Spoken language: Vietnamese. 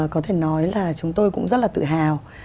có thể nói là chúng tôi cũng rất là tự hào